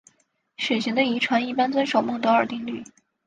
血型的遗传一般遵守孟德尔定律。